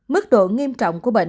mức độ nghiêm trọng của bệnh